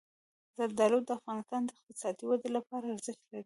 زردالو د افغانستان د اقتصادي ودې لپاره ارزښت لري.